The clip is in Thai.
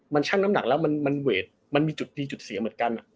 มันช่างน้ำหนักแล้วมันเวทมันมีจุดพีจุดเสียเหมือนกัน